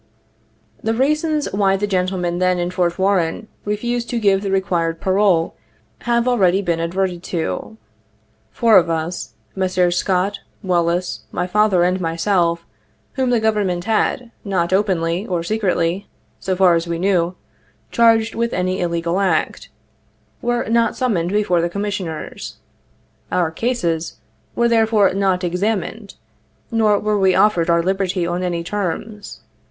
" The reasons why the gentlemen then in Fort Warren refused to give the required parole, have already been ad verted to. Four of us : Messrs. Scott, Wallis, my father and myself, whom the Government had not, openly — or secretly, so far as we knew — charged with any illegal act, were not summoned before the Commissioners. Our "cases" were therefore not "examined," nor were we offered our liberty on any terms.